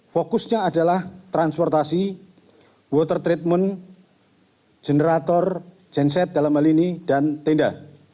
fokusnya adalah transportasi water treatment generator genset dalam hal ini dan tenda